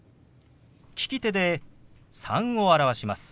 利き手で「３」を表します。